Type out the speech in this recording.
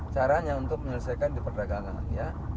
caranya untuk menyelesaikan di perdagangan ya